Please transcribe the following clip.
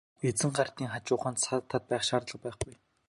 Изенгардын хажууханд саатаад байх шаардлага байхгүй.